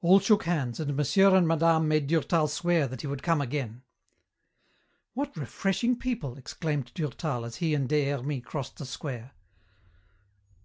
All shook hands, and monsieur and madame made Durtal swear that he would come again. "What refreshing people!" exclaimed Durtal as he and Des Hermies crossed the square.